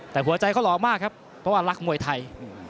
แต่หัวใจเขาหล่อมากครับเพราะว่ารักมวยไทย